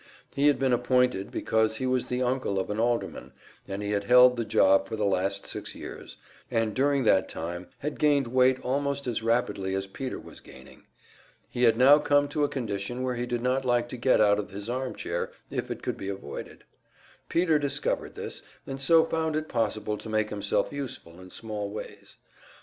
He had been appointed because he was the uncle of an alderman, and he had held the job for the last six years, and during that time had gained weight almost as rapidly as Peter was gaining. He had now come to a condition where he did not like to get out of his armchair if it could be avoided. Peter discovered this, and so found it possible to make himself useful in small ways.